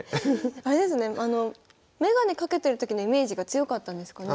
あれですねあの眼鏡かけてる時のイメージが強かったんですかね。